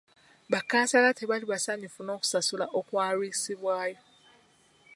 Ba kkansala tebaali basanyufu n'okusasulwa okwalwisibwayo.